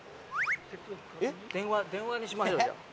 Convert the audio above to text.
電話電話にしましょうじゃあ。